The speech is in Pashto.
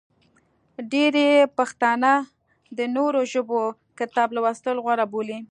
ډېری پښتانه د نورو ژبو کتب لوستل غوره بولي.